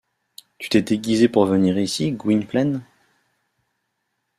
Tu t’es déguisé pour venir ici, Gwynplaine.